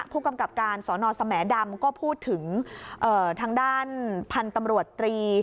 ผู้กำกับการสอนอสแหมดำก็พูดถึงทางด้านพันธุ์ตำรวจตรี